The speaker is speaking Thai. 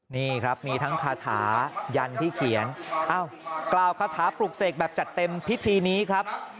นี่ครับมีทั้งคาถายันที่เขียนเอ้ากล่าวคาถาปลุกเสกแบบจัดเต็มพิธีนี้ครับ